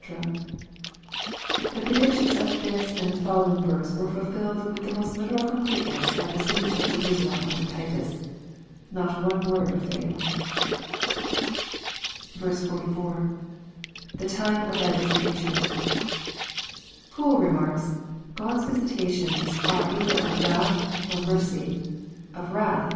] The predictions of this and the fol lowing verse were fulfilled with most literal completeness at the siege of Jerusalem under Titus. Not one word failed. 44. — [The time of thy visitation,] Poole remarks, " God's visitations are either of wrath, or mercy ;— of wrath.